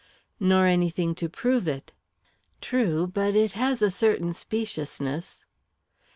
"Nor anything to prove it." "True but it has a certain speciousness."